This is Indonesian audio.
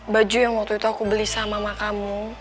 baju yang waktu itu aku beli sama mama kamu